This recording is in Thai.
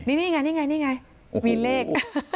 นี่ไงมีเลข